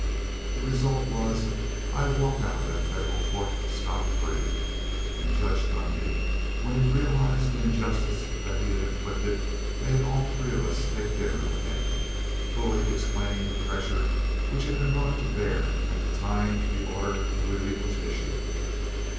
The result was, I walked out of that federal court scot free. And Judge Dundy, when he realized the injustice that he had inflicted, made all three of us take dinner with him, fully explaining the pressure which had been brought to bear at the time the order of relief was issued.